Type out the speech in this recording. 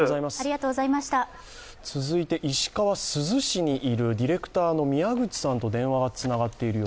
続いて石川・珠洲市にいるディレクターの宮口さんとつながっています。